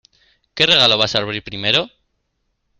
¿ Qué regalo vas a abrir primero?